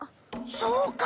そうか。